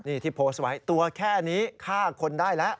นี่ที่โพสต์ไว้ตัวแค่นี้ฆ่าคนได้แล้ว